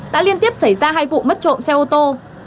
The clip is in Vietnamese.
đã liên tiếp xảy ra hai vụ mất trộm xe ô tô